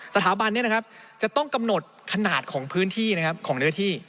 สถาบันนี้จะต้องกำหนดขนาดของพื้นที่ของเนื้อที่